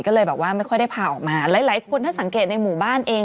ก็เลยแบบว่าไม่ค่อยได้พาออกมาหลายหลายคนถ้าสังเกตในหมู่บ้านเอง